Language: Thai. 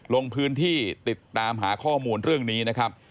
ลงพื้นที่ติดตามหาข้อมูลเรื่องนี้นะครับ